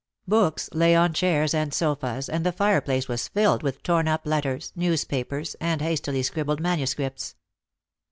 Books lay on chairs and sofas, and the fireplace was filled with torn up letters, newspapers, and hastily scribbled manuscripts.